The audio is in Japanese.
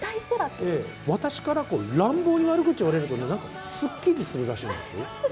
私から乱暴に悪口を言われると、なんかすっきりするらしいんですよ。